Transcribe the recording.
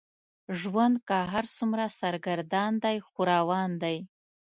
ژوند که هر څومره سرګردان دی خو روان دی.